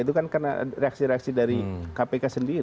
itu kan karena reaksi reaksi dari kpk sendiri